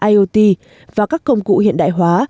iot và các công cụ hiện đại hóa